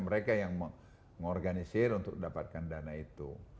mereka yang mengorganisir untuk dapatkan dana itu